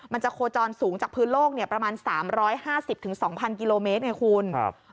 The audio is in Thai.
มันจะโคจรสูงจากพื้นโลกประมาณ๓๕๐๒๐๐กิโลเมตรไงคุณ